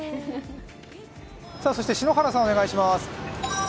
そして篠原さん、お願いします。